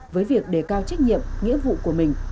với việc đề cao trách nhiệm nghĩa vụ của mình